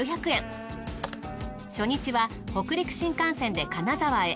初日は北陸新幹線で金沢へ。